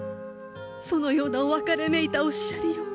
そのようなお別れめいたおっしゃりよう。